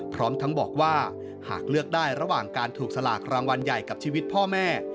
พร้อมทั้งบอกว่าหากเลือกได้ระหว่างการถูกสลากรางวัลใหญ่กับชีวิตพ่อแม่